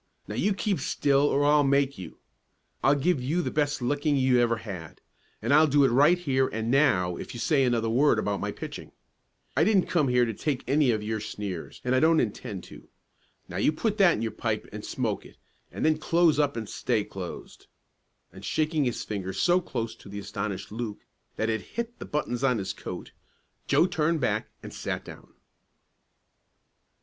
Now you keep still or I'll make you. I'll give you the best licking you ever had; and I'll do it right here and now if you say another word about my pitching! I didn't come here to take any of your sneers, and I don't intend to. Now you put that in your pipe, and smoke it, and then close up and stay closed," and shaking his finger so close to the astonished Luke that it hit the buttons on his coat, Joe turned back and sat down.